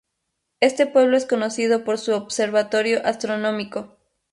Este pueblo es conocido por su observatorio astronómico.